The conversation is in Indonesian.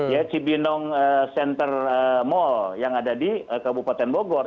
ya cibinong center mall yang ada di kabupaten bogor